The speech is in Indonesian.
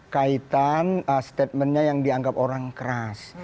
kaitan statementnya yang dianggap orang keras